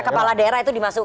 kepala daerah itu dimasukkan